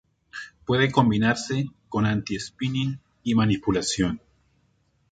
Puede combinarse con anti-spinning y manipulación.